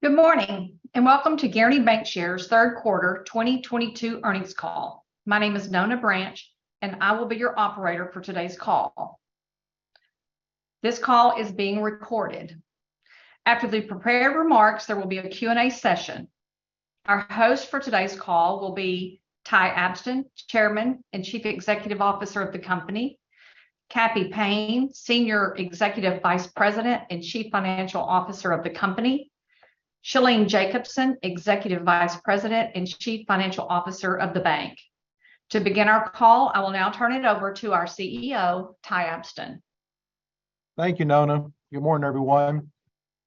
Good morning, and welcome to Guaranty Bancshares' third quarter 2022 earnings call. My name is Nona Branch, and I will be your operator for today's call. This call is being recorded. After the prepared remarks, there will be a Q&A session. Our host for today's call will be Ty Abston, Chairman and Chief Executive Officer of the company, Cappy Payne, Senior Executive Vice President and Chief Financial Officer of the company, Shalene Jacobson, Executive Vice President and Chief Financial Officer of the bank. To begin our call, I will now turn it over to our CEO, Ty Abston. Thank you, Nona. Good morning, everyone.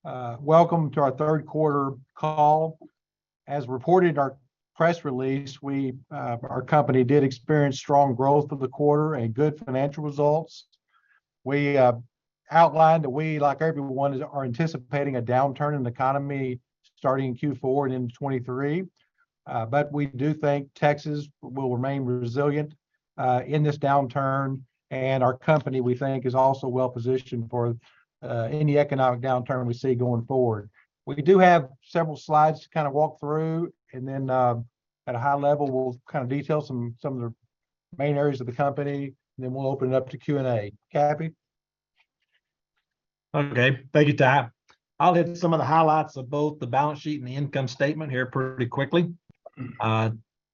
Welcome to our third quarter call. As reported in our press release, we, our company did experience strong growth for the quarter and good financial results. We outlined that we, like everyone, are anticipating a downturn in the economy starting in Q4 and into 2023. We do think Texas will remain resilient, in this downturn. Our company, we think, is also well positioned for, any economic downturn we see going forward. We do have several slides to kind of walk through and then, at a high level, we'll kind of detail some of the main areas of the company, and then we'll open it up to Q&A. Cappy? Okay. Thank you, Ty. I'll hit some of the highlights of both the balance sheet and the income statement here pretty quickly.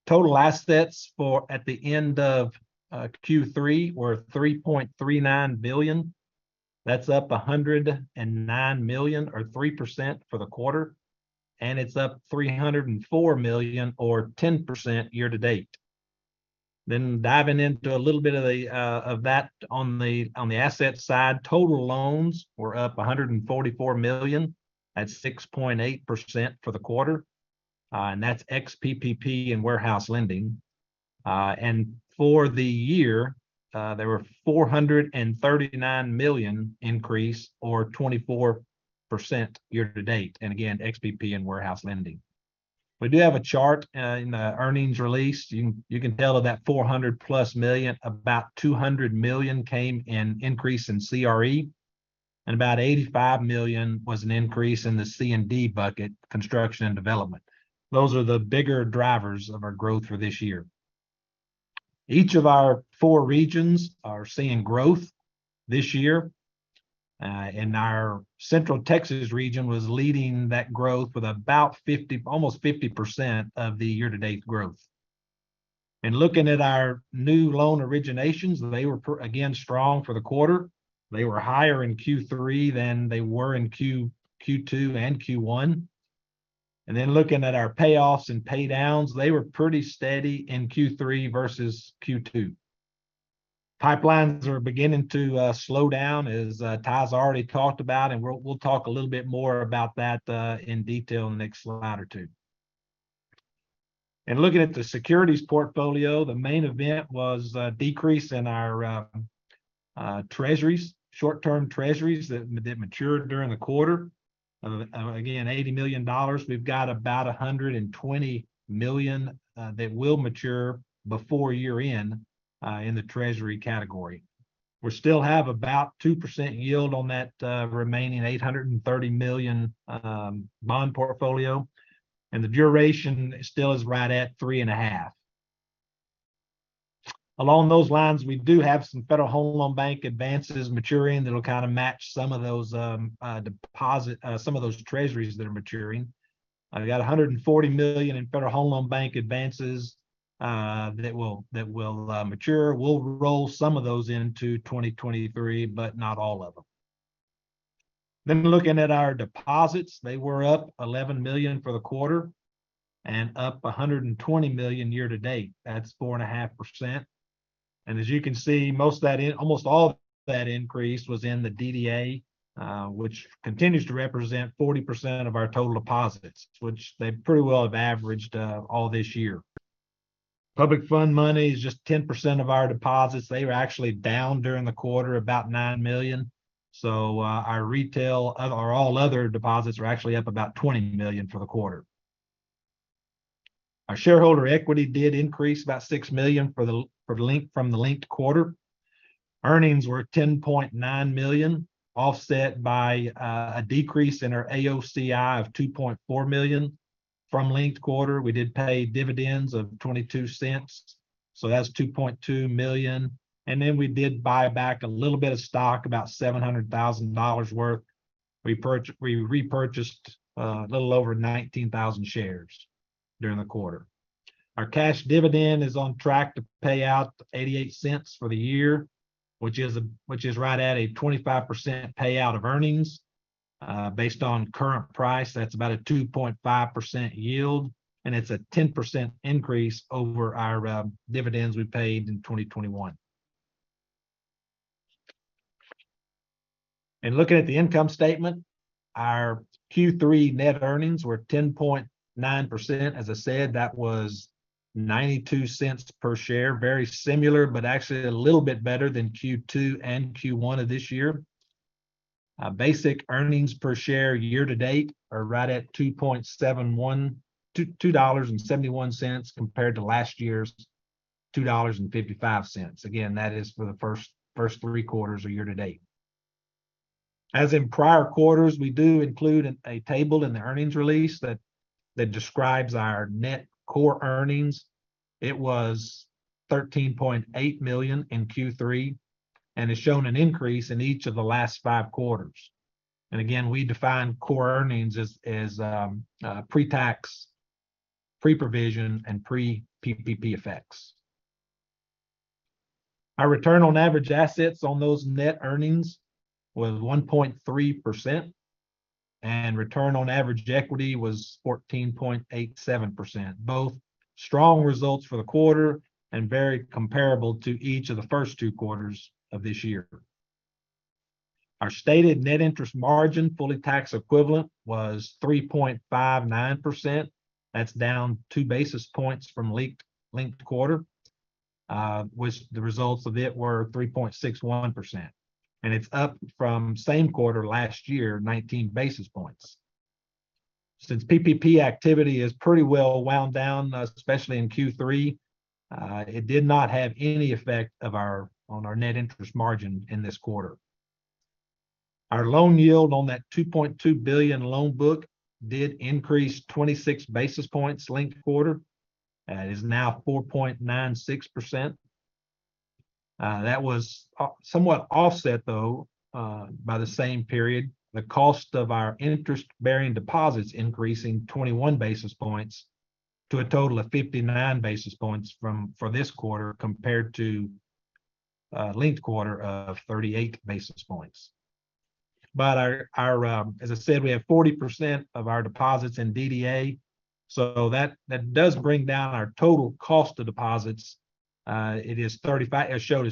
Total assets as of the end of Q3 were $3.39 billion. That's up $109 million or 3% for the quarter, and it's up $304 million or 10% year to date. Diving into a little bit of that on the assets side, total loans were up $144 million. That's 6.8% for the quarter, and that's ex-PPP and warehouse lending. For the year, there were $439 million increase or 24% year to date, and again, ex-PPP and warehouse lending. We do have a chart in the earnings release. You can tell of that $400+ million, about $200 million came in increase in CRE, and about $85 million was an increase in the C&D bucket, construction and development. Those are the bigger drivers of our growth for this year. Each of our four regions are seeing growth this year, and our Central Texas region was leading that growth with about almost 50% of the year to date growth. Looking at our new loan originations, they were again strong for the quarter. They were higher in Q3 than they were in Q2 and Q1. Then looking at our payoffs and pay downs, they were pretty steady in Q3 versus Q2. Pipelines are beginning to slow down as Ty's already talked about, and we'll talk a little bit more about that in detail in the next slide or two. Looking at the securities portfolio, the main event was a decrease in our treasuries, short-term treasuries that matured during the quarter. Again, $80 million. We've got about $120 million that will mature before year end in the treasury category. We still have about 2% yield on that remaining $830 million bond portfolio, and the duration still is right at 3.5. Along those lines, we do have some Federal Home Loan Bank advances maturing that'll kind of match some of those treasuries that are maturing. We've got $140 million in Federal Home Loan Bank advances that will mature. We'll roll some of those into 2023, but not all of them. Looking at our deposits, they were up $11 million for the quarter and up $120 million year to date. That's 4.5%. As you can see, most of that, almost all of that increase was in the DDA, which continues to represent 40% of our total deposits, which they pretty well have averaged all this year. Public fund money is just 10% of our deposits. They were actually down during the quarter about $9 million. Our retail or all other deposits are actually up about $20 million for the quarter. Our shareholder equity did increase about $6 million from the linked quarter. Earnings were $10.9 million, offset by a decrease in our AOCI of $2.4 million from linked quarter. We did pay dividends of $0.22, so that's $2.2 million. We did buy back a little bit of stock, about $700,000 worth. We repurchased a little over 19,000 shares during the quarter. Our cash dividend is on track to pay out $0.88 for the year, which is right at a 25% payout of earnings. Based on current price, that's about a 2.5% yield, and it's a 10% increase over our dividends we paid in 2021. Looking at the income statement, our Q3 net earnings were 10.9%. As I said, that was $0.92 per share. Very similar, but actually a little bit better than Q2 and Q1 of this year. Our basic earnings per share year to date are right at $2.71 compared to last year's $2.55. Again, that is for the first three quarters of year to date. As in prior quarters, we do include a table in the earnings release that describes our net core earnings. It was $13.8 million in Q3, and it's shown an increase in each of the last five quarters. We define core earnings as pre-tax, pre-provision, and pre-PPP effects. Our return on average assets on those net earnings was 1.3%, and return on average equity was 14.87%, both strong results for the quarter and very comparable to each of the first two quarters of this year. Our stated net interest margin, fully tax equivalent, was 3.59%. That's down two basis points from linked quarter, which was 3.61%, and it's up from same quarter last year, 19 basis points. Since PPP activity is pretty well wound down, especially in Q3, it did not have any effect on our net interest margin in this quarter. Our loan yield on that $2.2 billion loan book did increase 26 basis points linked quarter. That is now 4.96%. That was somewhat offset though by the same period. The cost of our interest-bearing deposits increasing 21 basis points to a total of 59 basis points for this quarter, compared to the linked quarter of 38 basis points. Our, as I said, we have 40% of our deposits in DDA, so that does bring down our total cost of deposits. It is 35, as shown,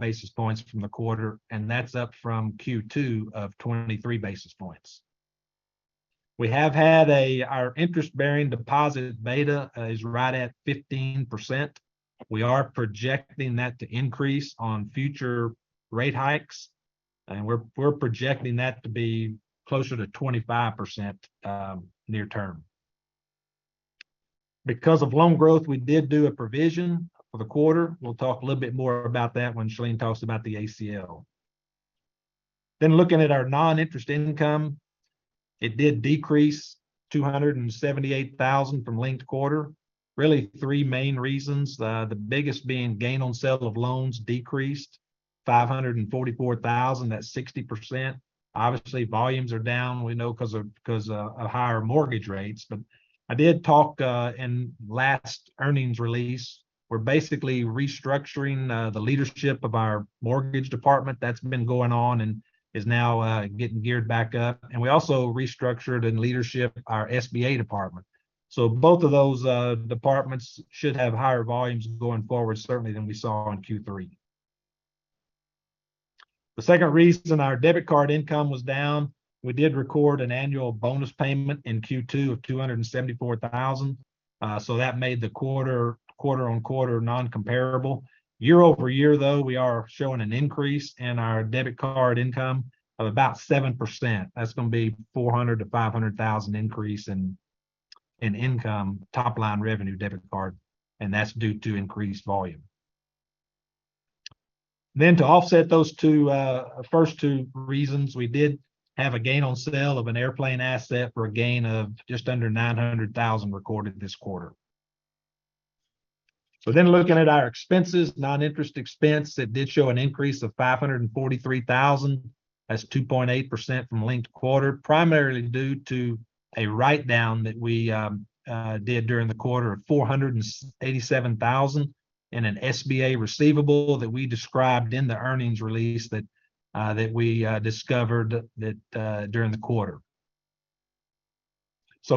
basis points for the quarter, and that's up from Q2 of 23 basis points. We have had a, our interest-bearing deposit beta is right at 15%. We are projecting that to increase on future rate hikes, and we're projecting that to be closer to 25% near term. Because of loan growth, we did do a provision for the quarter. We'll talk a little bit more about that when Shalene talks about the ACL. Looking at our non-interest income, it did decrease $278,000 from linked quarter. Really three main reasons, the biggest being gain on sale of loans decreased $544,000, that's 60%. Obviously, volumes are down, we know, because of higher mortgage rates. I did talk in last earnings release. We're basically restructuring the leadership of our mortgage department. That's been going on and is now getting geared back up. We also restructured the leadership of our SBA department. Both of those departments should have higher volumes going forward, certainly, than we saw in Q3. The second reason, our debit card income was down. We did record an annual bonus payment in Q2 of $274,000, so that made the quarter-on-quarter non-comparable. Year-over-year, though, we are showing an increase in our debit card income of about 7%. That's gonna be $400,000-$500,000 increase in income, top-line revenue, debit card, and that's due to increased volume. To offset those two first two reasons, we did have a gain on sale of an airplane asset for a gain of just under $900,000 recorded this quarter. Looking at our expenses, non-interest expense, it did show an increase of $543,000. That's 2.8% from linked quarter, primarily due to a writedown that we did during the quarter of $487,000 in an SBA receivable that we described in the earnings release that we discovered during the quarter.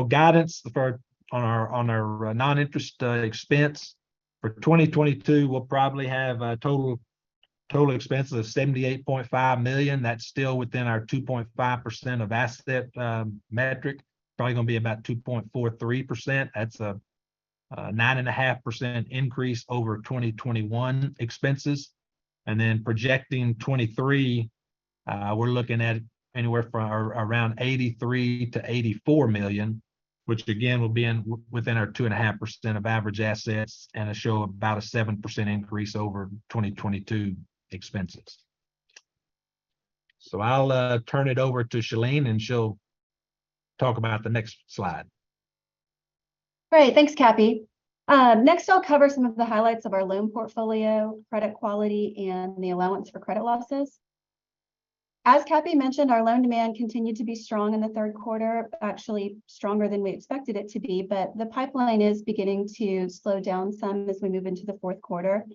Guidance for our non-interest expense for 2022, we'll probably have a total expense of $78.5 million. That's still within our 2.5% of asset metric. Probably gonna be about 2.43%. That's a 9.5% increase over 2021 expenses. Projecting 2023, we're looking at anywhere from around $83 million-$84 million, which again, will be within our 2.5% of average assets and a growth of about a 7% increase over 2022 expenses. I'll turn it over to Shalene, and she'll talk about the next slide. Great. Thanks, Cappy. Next I'll cover some of the highlights of our loan portfolio, credit quality, and the allowance for credit losses. As Cappy mentioned, our loan demand continued to be strong in the third quarter, actually stronger than we expected it to be, but the pipeline is beginning to slow down some as we move into the fourth quarter.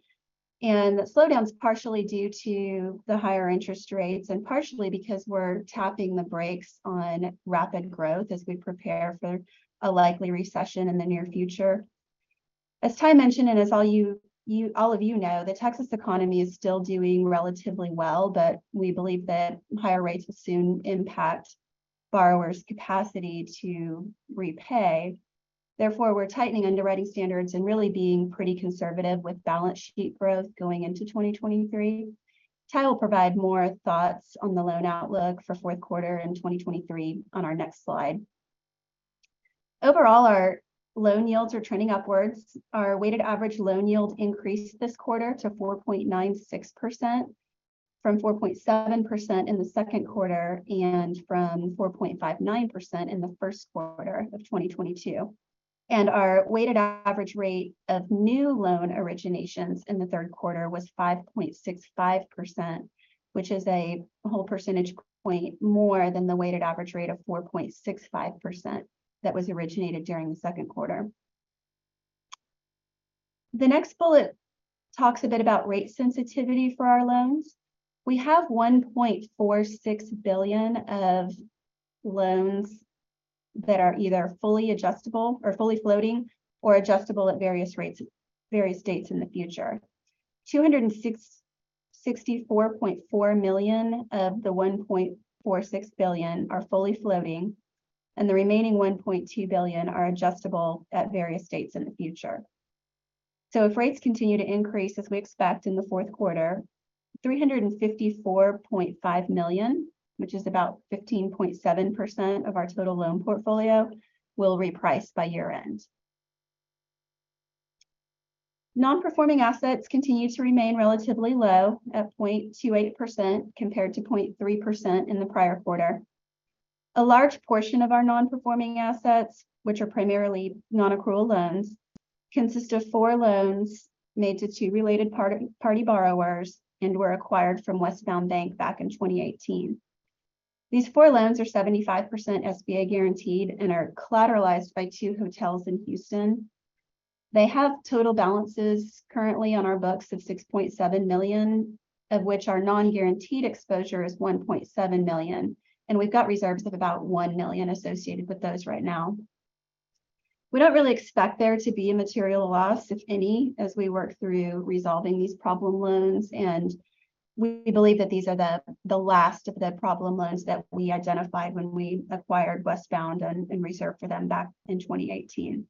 The slowdown's partially due to the higher interest rates and partially because we're tapping the brakes on rapid growth as we prepare for a likely recession in the near future. As Ty mentioned, and as all of you know, the Texas economy is still doing relatively well, but we believe that higher rates will soon impact borrowers' capacity to repay. Therefore, we're tightening underwriting standards and really being pretty conservative with balance sheet growth going into 2023. Ty will provide more thoughts on the loan outlook for fourth quarter and 2023 on our next slide. Overall, our loan yields are trending upwards. Our weighted average loan yield increased this quarter to 4.96% from 4.7% in the second quarter and from 4.59% in the first quarter of 2022. Our weighted average rate of new loan originations in the third quarter was 5.65%, which is a whole percentage point more than the weighted average rate of 4.65% that was originated during the second quarter. The next bullet talks a bit about rate sensitivity for our loans. We have $1.46 billion of loans that are either fully adjustable or fully floating or adjustable at various rates at various dates in the future. $64.4 million of the $1.46 billion is fully floating, and the remaining $1.2 billion are adjustable at various dates in the future. If rates continue to increase as we expect in the fourth quarter, $354.5 million, which is about 15.7% of our total loan portfolio, will reprice by year-end. Non-performing assets continue to remain relatively low at 0.28% compared to 0.3% in the prior quarter. A large portion of our non-performing assets, which are primarily non-accrual loans, consist of four loans made to two related party borrowers and were acquired from Westside Bank back in 2018. These four loans are 75% SBA guaranteed and are collateralized by two hotels in Houston. They have total balances currently on our books of $6.7 million, of which our non-guaranteed exposure is $1.7 million. We've got reserves of about $1 million associated with those right now. We don't really expect there to be a material loss, if any, as we work through resolving these problem loans, and we believe that these are the last of the problem loans that we identified when we acquired Westbound and reserved for them back in 2018.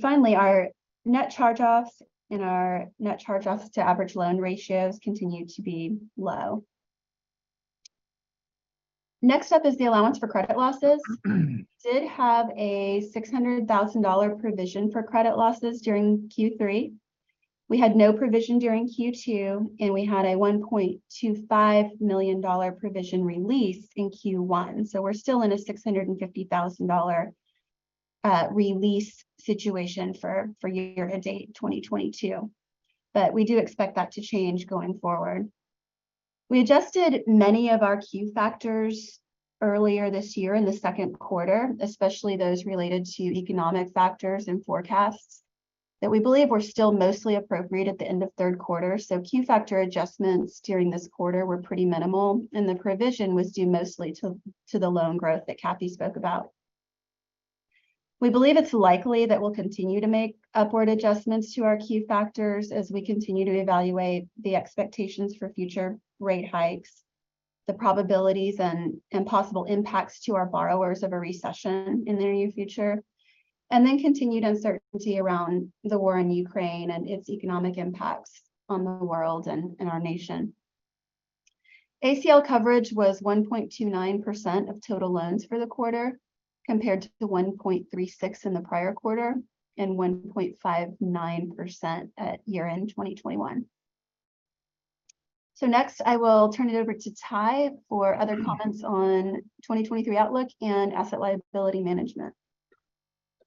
Finally, our net charge-offs to average loan ratios continue to be low. Next up is the allowance for credit losses. We did have a $600,000 provision for credit losses during Q3. We had no provision during Q2, and we had a $1.25 million provision release in Q1. We're still in a $650,000 release situation for year to date 2022. We do expect that to change going forward. We adjusted many of our Q factors earlier this year in the second quarter, especially those related to economic factors and forecasts that we believe were still mostly appropriate at the end of third quarter. Q factor adjustments during this quarter were pretty minimal, and the provision was due mostly to the loan growth that Cappy spoke about. We believe it's likely that we'll continue to make upward adjustments to our Q factors as we continue to evaluate the expectations for future rate hikes, the probabilities and possible impacts to our borrowers of a recession in the near future, and then continued uncertainty around the war in Ukraine and its economic impacts on the world and in our nation. ACL coverage was 1.29% of total loans for the quarter, compared to the 1.36 in the prior quarter and 1.59% at year-end 2021. Next, I will turn it over to Ty for other comments on 2023 outlook and asset liability management.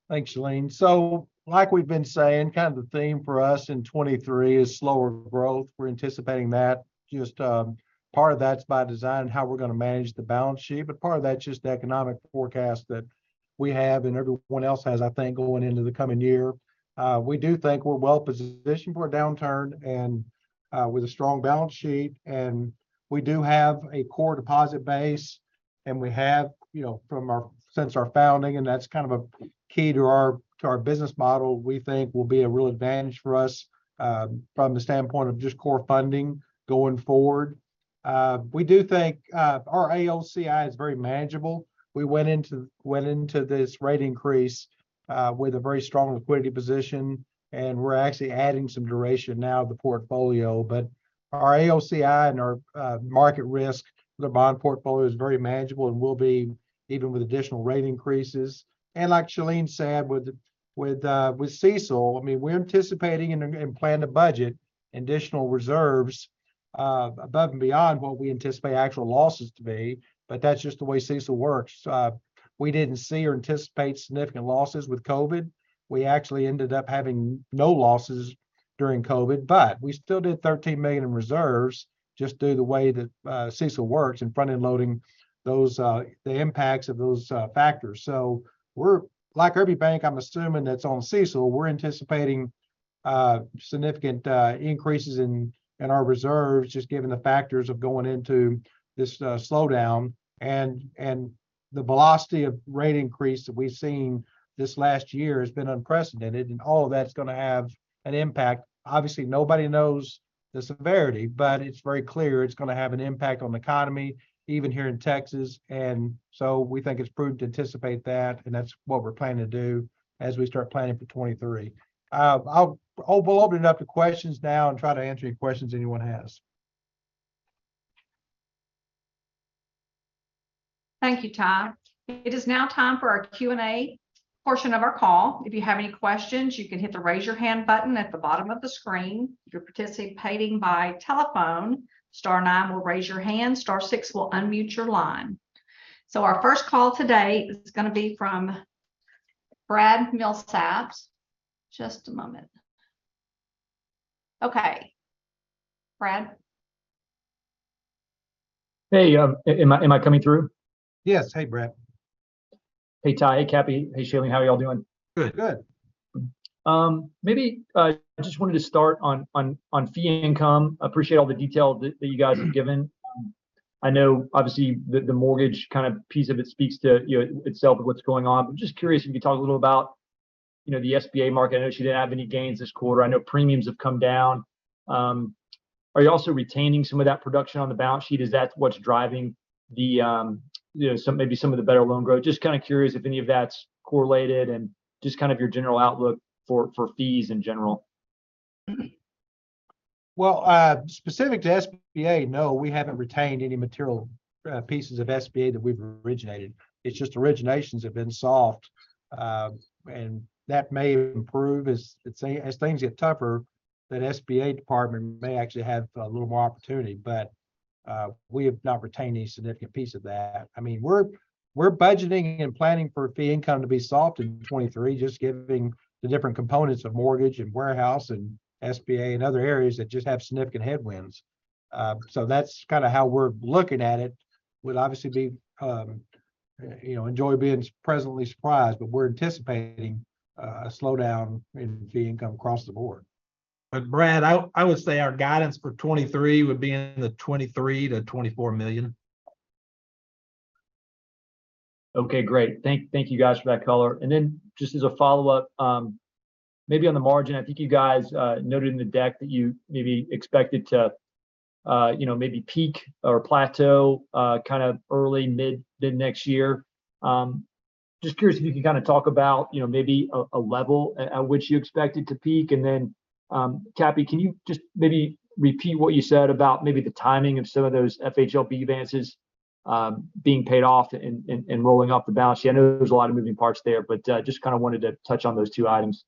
Thanks, Shalene. Like we've been saying, kind of the theme for us in 2023 is slower growth. We're anticipating that. Just, part of that's by design and how we're going to manage the balance sheet, but part of that's just the economic forecast that we have and everyone else has, I think, going into the coming year. We do think we're well positioned for a downturn and with a strong balance sheet. We do have a core deposit base, and we have, you know, since our founding, and that's kind of a key to our business model we think will be a real advantage for us from the standpoint of just core funding going forward. We do think our AOCI is very manageable. We went into this rate increase with a very strong liquidity position, and we're actually adding some duration now to the portfolio. Our AOCI and our market risk for the bond portfolio is very manageable and will be even with additional rate increases. Like Shalene said, with CECL, I mean, we're anticipating and plan to budget additional reserves above and beyond what we anticipate actual losses to be, but that's just the way CECL works. We didn't see or anticipate significant losses with COVID. We actually ended up having no losses during COVID, but we still did $13 million in reserves just due to the way that CECL works in front-end loading those the impacts of those factors. We're, like every bank I'm assuming that's on CECL, anticipating significant increases in our reserves just given the factors of going into this slowdown. The velocity of rate increase that we've seen this last year has been unprecedented, and all of that's going to have an impact. Obviously, nobody knows the severity, but it's very clear it's going to have an impact on the economy, even here in Texas. We think it's prudent to anticipate that, and that's what we're planning to do as we start planning for 2023. I'll open it up to questions now and try to answer any questions anyone has. Thank you, Ty. It is now time for our Q&A portion of our call. If you have any questions, you can hit the raise your hand button at the bottom of the screen. If you're participating by telephone, star nine will raise your hand, star six will unmute your line. Our first call today is gonna be from Brad Milsaps. Just a moment. Okay. Brad? Hey, am I coming through? Yes. Hey, Brad. Hey, Ty. Hey, Cappy. Hey, Shalene. How are y'all doing? Good. Good. Maybe I just wanted to start on fee income. Appreciate all the detail that you guys have given. I know obviously the mortgage kind of piece of it speaks for itself of what's going on, but just curious if you could talk a little about, you know, the SBA market. I know you didn't have any gains this quarter. I know premiums have come down. Are you also retaining some of that production on the balance sheet? Is that what's driving, you know, some, maybe some of the better loan growth? Just kind of curious if any of that's correlated and just kind of your general outlook for fees in general. Well, specific to SBA, no, we haven't retained any material pieces of SBA that we've originated. It's just originations have been soft, and that may improve as things get tougher, that SBA department may actually have a little more opportunity, but we have not retained any significant piece of that. I mean, we're budgeting and planning for fee income to be soft in 2023, just given the different components of mortgage and warehouse and SBA and other areas that just have significant headwinds. So that's kind of how we're looking at it. We'll obviously be, you know, enjoy being pleasantly surprised, but we're anticipating a slowdown in fee income across the board. Brad, I would say our guidance for 2023 would be in the $23 million-$24 million. Okay. Great. Thank you guys for that color. Just as a follow-up, maybe on the margin, I think you guys noted in the deck that you maybe expected to, you know, maybe peak or plateau, kind of early mid next year. Just curious if you could kind of talk about, you know, maybe a level at which you expect it to peak. Cappy, can you just maybe repeat what you said about maybe the timing of some of those FHLB advances, being paid off and rolling off the balance sheet? I know there's a lot of moving parts there, but just kind of wanted to touch on those two items.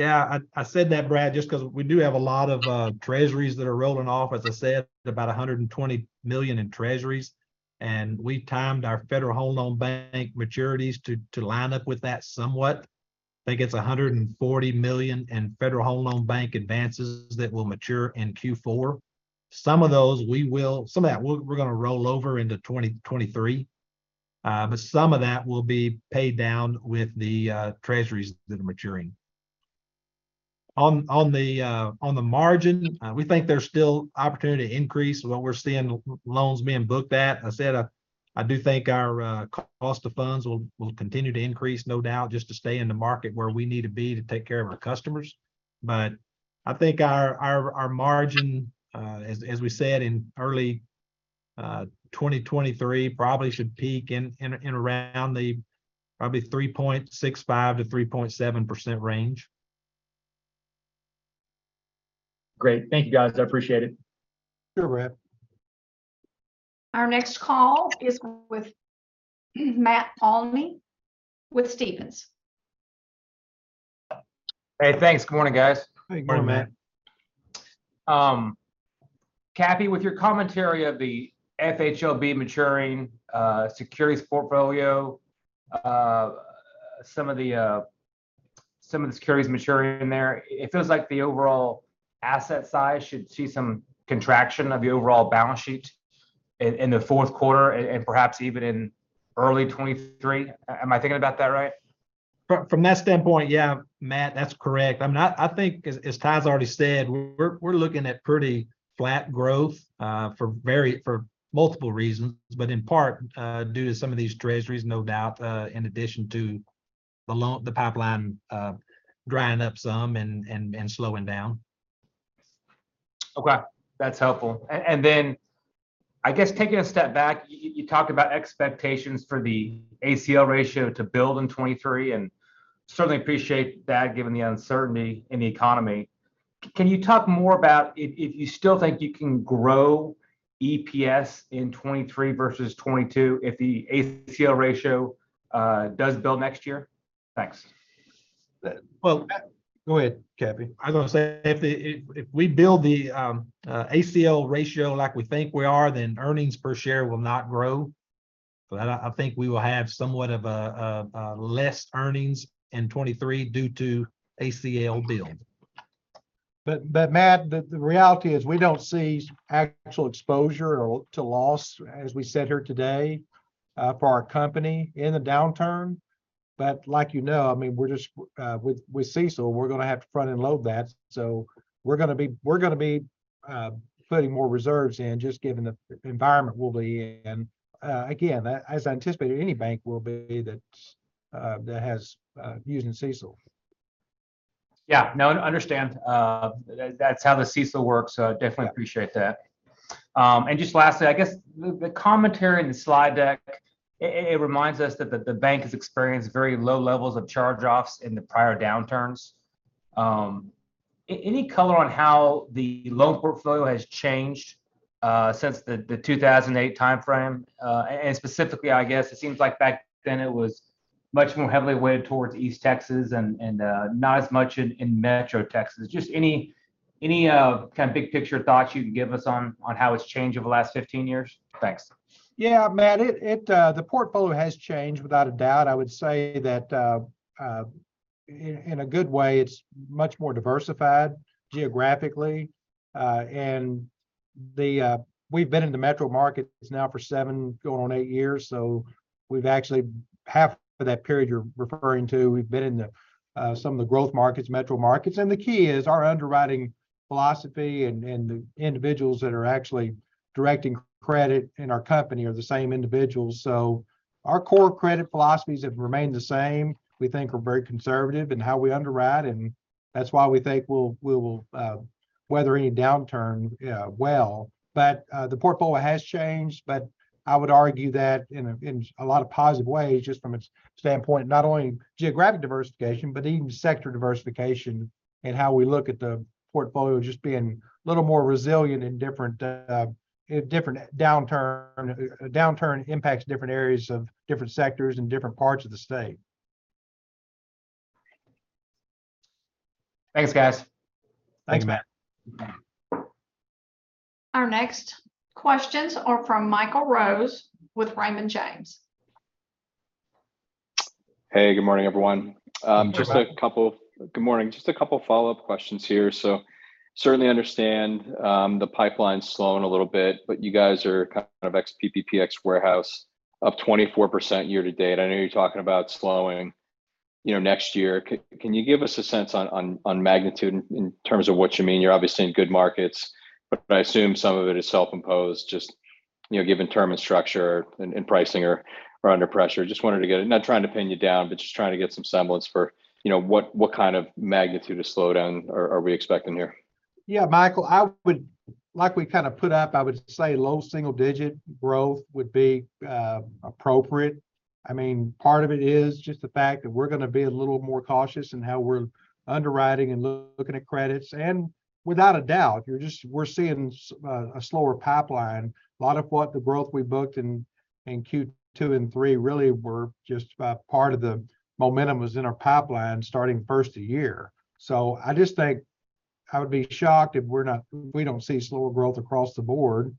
Yeah. I said that Brad just 'cause we do have a lot of treasuries that are rolling off. As I said, about $120 million in treasuries, and we've timed our Federal Home Loan Bank maturities to line up with that somewhat. I think it's $140 million in Federal Home Loan Bank advances that will mature in Q4. Some of that we're gonna roll over into 2023, but some of that will be paid down with the treasuries that are maturing. On the margin, we think there's still opportunity to increase what we're seeing loans being booked at. I said, I do think our cost of funds will continue to increase, no doubt, just to stay in the market where we need to be to take care of our customers. I think our margin, as we said, in early 2023 probably should peak in around the probably 3.65%-3.7% range. Great. Thank you guys. I appreciate it. Sure, Brad. Our next call is with Matt Olney with Stephens. Hey, thanks. Good morning, guys. Good morning, Matt. Morning. Cappy, with your commentary of the FHLB maturing securities portfolio, some of the securities maturing there, it feels like the overall asset size should see some contraction of the overall balance sheet in the fourth quarter and perhaps even in early 2023. Am I thinking about that right? From that standpoint, yeah, Matt, that's correct. I think as Ty's already said, we're looking at pretty flat growth for multiple reasons, but in part due to some of these treasuries no doubt, in addition to the pipeline drying up some and slowing down. Okay. That's helpful. I guess taking a step back, you talked about expectations for the ACL ratio to build in 2023, and certainly appreciate that given the uncertainty in the economy. Can you talk more about if you still think you can grow EPS in 2023 versus 2022 if the ACL ratio does build next year? Thanks. Well, go ahead, Cappy. I was gonna say, if we build the ACL ratio like we think we are, then earnings per share will not grow. I think we will have somewhat less earnings in 2023 due to ACL build. Matt, the reality is we don't see actual exposure or to loss, as we said here today, for our company in the downturn. Like you know, I mean, we're just with CECL, we're gonna have to front-end load that. We're gonna be putting more reserves in just given the environment we'll be in. Again, as I anticipate any bank will be that has using CECL. Yeah. No, understand. That's how the CECL works, so definitely appreciate that. And just lastly, I guess the commentary in the slide deck. It reminds us that the bank has experienced very low levels of charge-offs in the prior downturns. Any color on how the loan portfolio has changed since the 2008 timeframe? And specifically I guess it seems like back then it was much more heavily weighted towards East Texas and not as much in Metro Texas. Just any kind of big picture thoughts you can give us on how it's changed over the last 15 years? Thanks. Yeah, Matt, the portfolio has changed without a doubt. I would say that, in a good way it's much more diversified geographically. We've been in the metro markets now for 7, going on 8 years, so we've actually half of that period you're referring to we've been in some of the growth markets, metro markets. The key is our underwriting philosophy and the individuals that are actually directing credit in our company are the same individuals. Our core credit philosophies have remained the same. We think we're very conservative in how we underwrite, and that's why we think we will weather any downturn. The portfolio has changed, but I would argue that in a lot of positive ways just from a standpoint of not only geographic diversification, but even sector diversification and how we look at the portfolio just being a little more resilient in different downturn. A downturn impacts different areas of different sectors in different parts of the state. Thanks, guys. Thanks, Matt. Our next questions are from Michael Rose with Raymond James. Hey, good morning, everyone. Good morning. Good morning. Just a couple follow-up questions here. Certainly understand the pipeline's slowing a little bit, but you guys are kind of ex-PPP and warehouse of 24% year to date. I know you're talking about slowing, you know, next year. Can you give us a sense on magnitude in terms of what you mean? You're obviously in good markets, but I assume some of it is self-imposed just, you know, given term and structure and pricing are under pressure. Just wanted to get a. Not trying to pin you down, but just trying to get some semblance for, you know, what kind of magnitude of slowdown are we expecting here? Yeah, Michael, like we kind of put up, I would say low single digit growth would be appropriate. I mean, part of it is just the fact that we're gonna be a little more cautious in how we're underwriting and looking at credits. Without a doubt, we're seeing a slower pipeline. A lot of what the growth we booked in Q2 and 3 really were just part of the momentum was in our pipeline starting first of year. I just think I would be shocked if we don't see slower growth across the board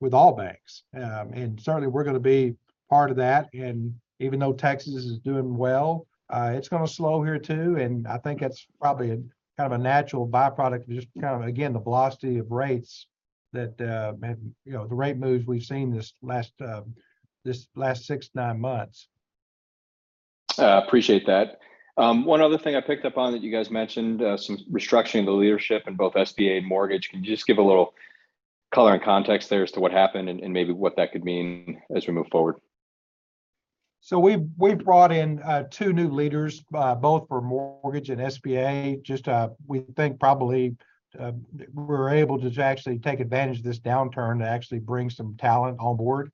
with all banks. Certainly we're gonna be part of that. Even though Texas is doing well, it's gonna slow here too, and I think it's probably kind of a natural byproduct of just kind of, again, the velocity of rates that have, you know, the rate moves we've seen this last 6-9 months. I appreciate that. One other thing I picked up on that you guys mentioned, some restructuring of the leadership in both SBA and mortgage. Can you just give a little color and context there as to what happened and maybe what that could mean as we move forward? We've brought in two new leaders both for mortgage and SBA. Just we think probably we're able to actually take advantage of this downturn to actually bring some talent on board.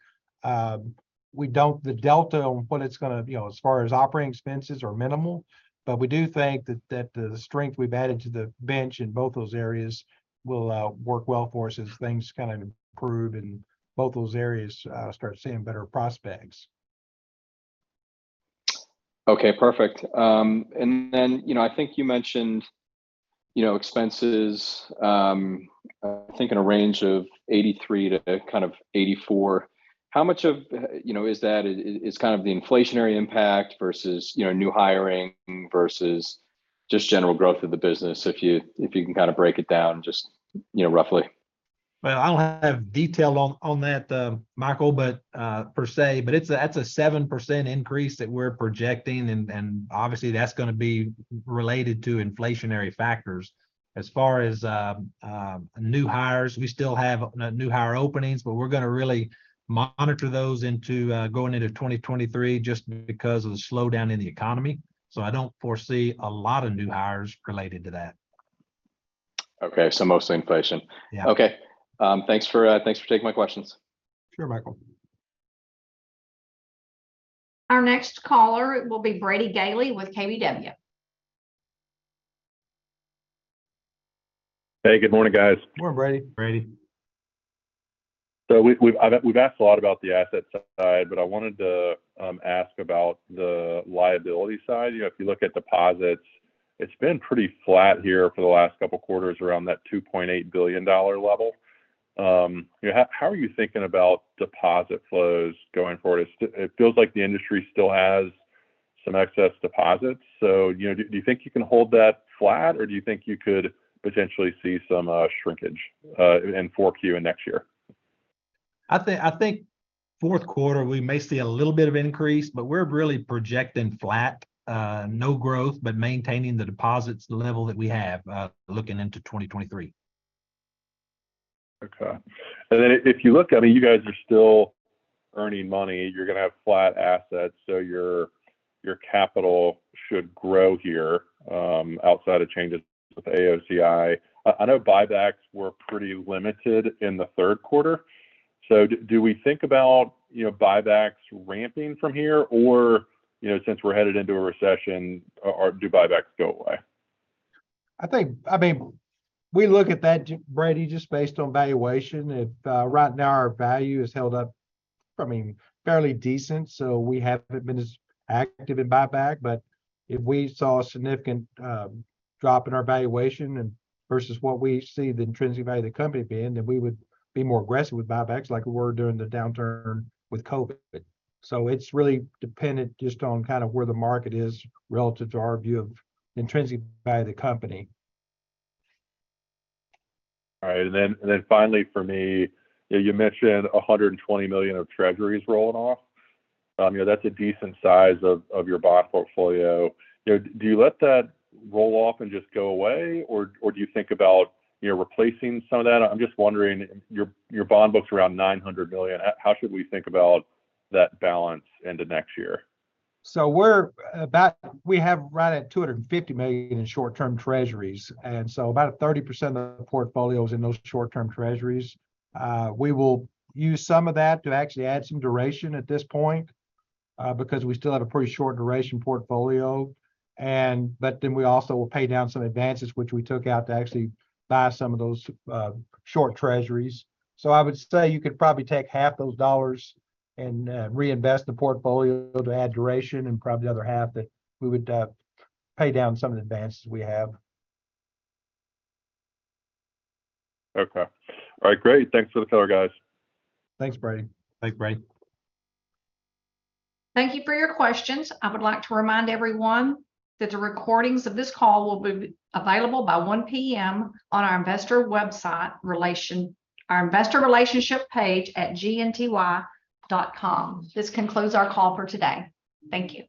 The delta on what it's gonna, you know, as far as operating expenses are minimal, but we do think that the strength we've added to the bench in both those areas will work well for us as things kind of improve in both those areas start seeing better prospects. Okay, perfect. You know, I think you mentioned, you know, expenses, I think in a range of $83 to kind of $84. How much of that is kind of the inflationary impact versus, you know, new hiring versus just general growth of the business? If you can kind of break it down just, you know, roughly. I don't have detail on that, Michael, but per se. It's a 7% increase that we're projecting and obviously that's gonna be related to inflationary factors. As far as new hires, we still have new hire openings, but we're gonna really monitor those going into 2023, just because of the slowdown in the economy. I don't foresee a lot of new hires related to that. Okay. Mostly inflation? Yeah. Okay. Thanks for taking my questions. Sure, Michael. Our next caller will be Brady Gailey with KBW. Hey, good morning, guys. Good morning, Brady. We've asked a lot about the asset side, but I wanted to ask about the liability side. You know, if you look at deposits, it's been pretty flat here for the last couple quarters around that $2.8 billion level. You know, how are you thinking about deposit flows going forward? It feels like the industry still has some excess deposits, so, you know, do you think you can hold that flat, or do you think you could potentially see some shrinkage in 4Q and next year? I think fourth quarter we may see a little bit of increase, but we're really projecting flat, no growth, but maintaining the deposits level that we have, looking into 2023. Okay. Then if you look, I mean, you guys are still earning money. You're gonna have flat assets, so your capital should grow here, outside of changes with AOCI. I know buybacks were pretty limited in the third quarter. Do we think about, you know, buybacks ramping from here? Or, you know, since we're headed into a recession, do buybacks go away? I think I mean, we look at that, Brady, just based on valuation. If right now our value has held up, I mean, fairly decent, so we haven't been as active in buyback. If we saw a significant drop in our valuation versus what we see the intrinsic value of the company being, then we would be more aggressive with buybacks like we were during the downturn with COVID. It's really dependent just on kind of where the market is relative to our view of intrinsic value of the company. All right. Finally for me, you mentioned $120 million of treasuries rolling off. You know, that's a decent size of your bond portfolio. Do you let that roll off and just go away? Or do you think about replacing some of that? I'm just wondering. Your bond book's around $900 million. How should we think about that balance into next year? We have right at $250 million in short-term treasuries, and about 30% of the portfolio is in those short-term treasuries. We will use some of that to actually add some duration at this point, because we still have a pretty short duration portfolio. But then we also will pay down some advances which we took out to actually buy some of those short treasuries. I would say you could probably take half those dollars and reinvest the portfolio to add duration, and probably the other half that we would pay down some of the advances we have. Okay. All right, great. Thanks for the color, guys. Thanks, Brady. Thanks, Brady. Thank you for your questions. I would like to remind everyone that the recordings of this call will be available by 1:00 P.M. on our investor relationship page at gnty.com. This concludes our call for today. Thank you.